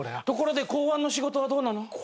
ところで公安の仕事はどうなの？